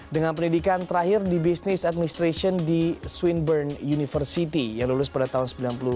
dengan pendidikan terakhir di business administration di swindburn university yang lulus pada tahun seribu sembilan ratus sembilan puluh sembilan